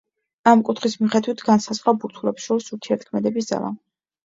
ამ კუთხის მიხედვით განსაზღვრა ბურთულებს შორის ურთიერთქმედების ძალა.